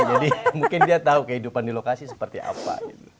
jadi mungkin dia tahu kehidupan di lokasi seperti apa